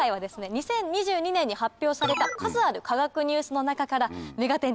２０２２年に発表された数ある科学ニュースの中から『目がテン！』